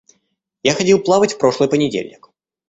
Я ходил плавать в прошлый понедельник.